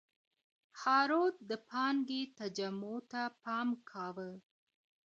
هارود د پانګې تجمع ته پام کاوه.